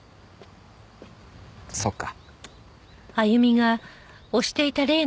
そっか。